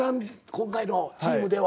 今回のチームでは。